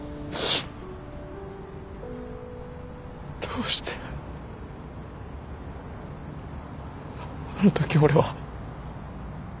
どうしてあのとき俺は。